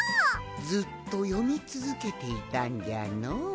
ずっとよみつづけていたんじゃのう。